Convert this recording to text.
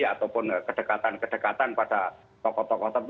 ataupun kedekatan kedekatan pada tokoh tokoh